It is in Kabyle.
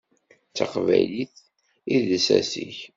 D taqbaylit i d lsas-ik.